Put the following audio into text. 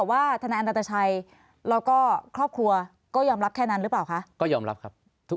ทนายอันดาตชัยแล้วก็ครอบครัวก็ยอมรับแค่นั้นหรือเปล่าคะก็ยอมรับครับ